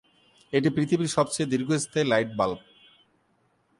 এটি পৃথিবীর সবচেয়ে দীর্ঘস্থায়ী লাইট বাল্ব।